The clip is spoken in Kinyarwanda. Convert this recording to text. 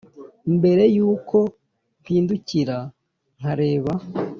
mbere yuko mpindukira nkareba